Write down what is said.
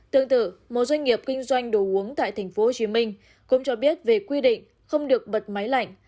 tương tự một doanh nghiệp kinh doanh đồ uống tại tp hcm cũng cho biết về quy định không được bật máy lạnh